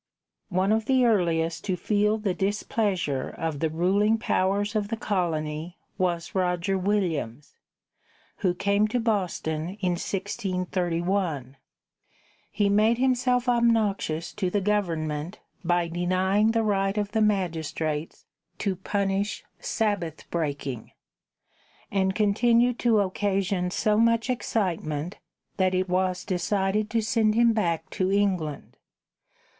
One of the earliest to feel the displeasure of the ruling powers of the Colony was Roger Williams, who came to Boston in 1631. He made himself obnoxious to the government by denying the right of the magistrates to punish Sabbath breaking; and continued to occasion so much excitement that it was decided to send him back to England.